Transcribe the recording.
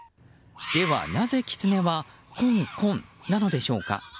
では、なぜキツネはコンコンなのでしょうか。